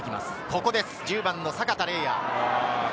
ここです、１０番の阪田澪哉。